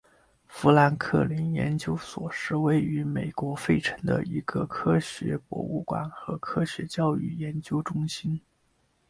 富兰克林研究所是位于美国费城的一个科学博物馆和科学教育研究中心。